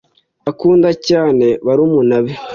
Akunda cyane barumuna be